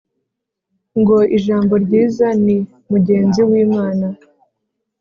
ngo: “ijambo ryiza ni mugenzi w’imana”.